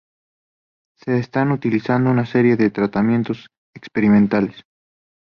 Se están utilizando una serie de tratamientos experimentales.